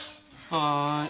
はい。